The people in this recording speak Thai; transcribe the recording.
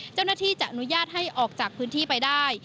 เจ้าหน้าที่จะอนุญาตให้ออกจากพื้นที่ไปได้